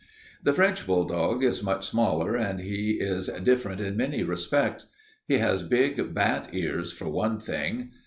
"The French bulldog is much smaller and he is different in many respects. He has big bat ears, for one thing.